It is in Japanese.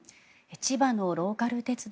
千葉のローカル鉄道